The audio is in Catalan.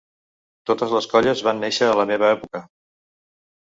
Totes les colles van néixer a la meva època.